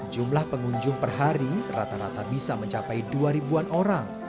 jumlah pengunjung per hari rata rata bisa mencapai dua ribu an orang